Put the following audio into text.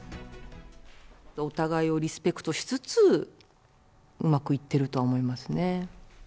お互いをリスペクトしつつ、うまくいってるとは思いますね。